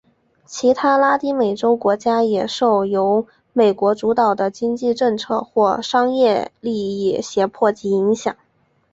其他拉丁美洲国家也受由美国主导的经济政策或商业利益胁迫及影响。